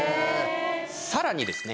さらにですね